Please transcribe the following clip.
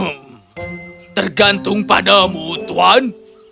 hmm tergantung padamu tuan